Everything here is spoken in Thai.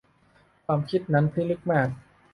ความคิดนั้นพิลึกมาก